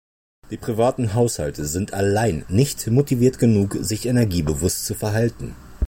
Die privaten Haushalte sind allein nicht motiviert genug, sich energiebewusst zu verhalten.